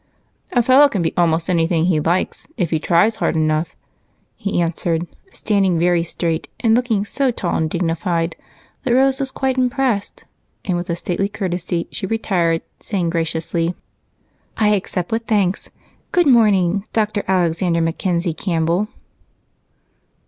"A fellow can be almost anything he likes if he tries hard enough," he answered, standing very straight and looking so tall and dignified that Rose was quite impressed, and with a stately courtesy she retired, saying graciously: "I accept with thanks. Good morning, Dr. Alexander Mackenzie Campbell."